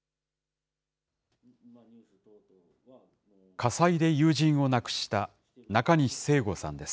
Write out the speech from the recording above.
火災で友人を亡くした中西清悟さんです。